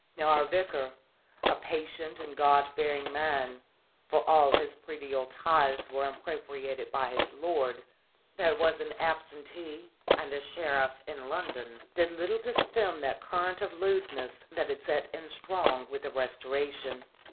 Now, our Vicar a patient and God fearing man, for all his predial tithes were impropriated by his lord, that was an absentee and a sheriff in London did little to stem that current of lewdness that had set in strong with the Restoration.